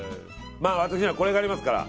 私にはこれがありますから。